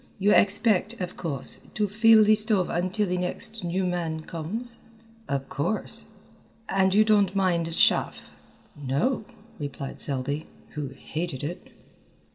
You expect, of course, to fill the stove until the next new man comes?" "Of course." "And you don't mind chaff?" "No," replied Selby, who hated it.